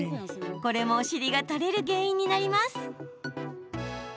これも、お尻が垂れる原因になります。